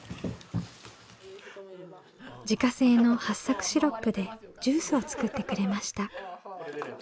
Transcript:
自家製のはっさくシロップでジュースを作ってくれました。